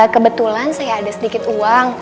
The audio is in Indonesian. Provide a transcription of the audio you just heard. kebetulan saya ada sedikit uang